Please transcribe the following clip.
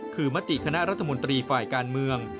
คือมติคณะรัฐมนตรีฝ่ายการเมือง